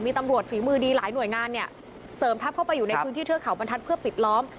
มีตำรวจฝีมือดีหลายหน่วยงานเนี่ยเสริมทัพเข้าไปอยู่ในพื้นที่เทือกเขาบรรทัศน์เพื่อปิดล้อม